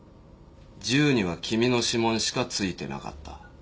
銃には君の指紋しか付いてなかった。